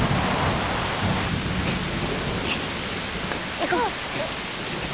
行こう。